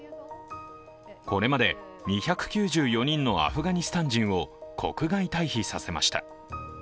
これまで２９４人のアフガニスタン人を国外退避させました。